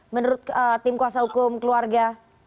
menurut tim kuasa hukum keluarga